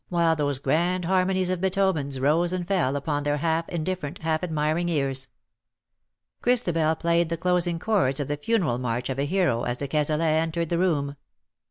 while those grand harmonies of Beethoven^s rose and fell upon their half indifferent, half admiring ears. Christabel played the closing chords of the Funeral March of a Hero as de Cazalet entered the room.